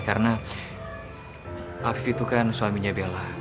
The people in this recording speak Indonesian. karena afif itu kan suaminya bella